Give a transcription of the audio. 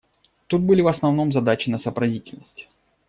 Тут были в основном задачи на сообразительность.